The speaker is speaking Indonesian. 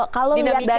kalau dilihat dari